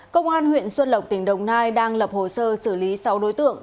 công an huyện xuân lộc tỉnh đồng nai đang lập hồ sơ xử lý sáu đối tượng